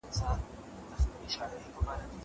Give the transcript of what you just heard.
ځواب وليکه!